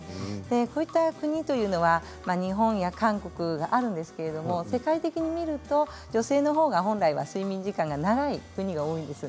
こういった国というのは日本や韓国があるんですけれども世界的に見ると、女性のほうが本来は睡眠時間が長い国が多いんです。